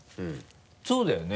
そうだよね？